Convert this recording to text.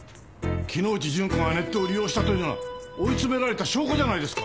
木之内順子がネットを利用したというのは追い詰められた証拠じゃないですか。